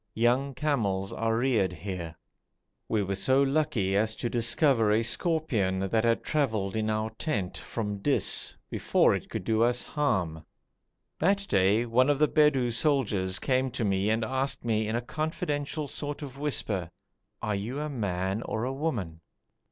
Young camels are reared here. We were so lucky as to discover a scorpion that had travelled in our tent from Dis, before it could do us harm. That day one of the Bedou soldiers came to me and asked me in a confidential sort of whisper, 'Are you a man or a woman?'